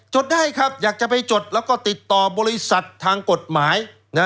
ดได้ครับอยากจะไปจดแล้วก็ติดต่อบริษัททางกฎหมาย